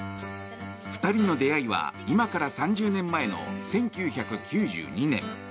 ２人の出会いは今から３０年前の１９９２年。